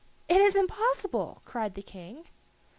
"It is impossible!" cried the King.